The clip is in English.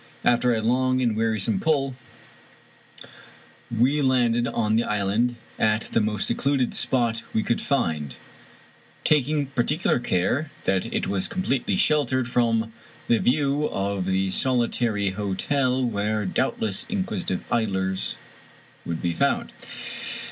After a long and wearisome pull, we landed on the island at the most secluded spot we could find, taking particular care that it was completely sheltered from the view of the solitary hotel, where doubtless in quisitive idlers would be found.